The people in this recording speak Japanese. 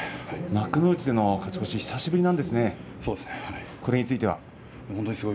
幕内での勝ち越し、久しぶりなんですね、これについては？